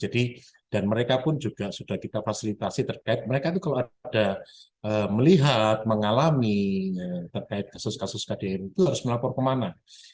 dan mereka pun juga sudah kita fasilitasi terkait mereka itu kalau ada melihat mengalami kasus kasus kdrt itu harus melapor ke mana